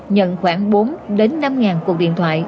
nhận khoảng bốn năm ngàn cuộc điện thoại